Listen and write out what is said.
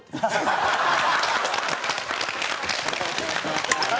ハハハハ！